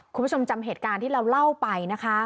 คุณผู้ชมจำเหตุการณ์ที่เราเล่าไปนะคะ